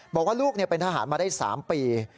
บอกว่าลูกเป็นทหารมาได้๓ปี